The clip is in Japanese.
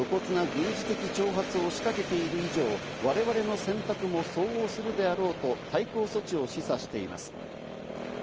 露骨な軍事的挑発を仕掛けている以上、我々の選択も相応するであろうと、対抗措置を示唆しています。